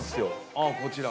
あこちら。